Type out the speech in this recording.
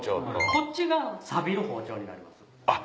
こっちが錆びる包丁になります。